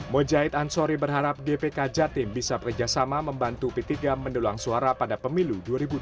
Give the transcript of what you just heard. mujahid ansori berharap gpk jatim bisa bekerjasama membantu p tiga mendulang suara pada pemilu dua ribu dua puluh